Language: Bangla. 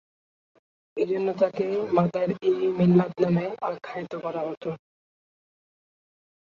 এ জন্যে তাকে মাদার-ই-মিল্লাত নামে আখ্যায়িত করা হতো।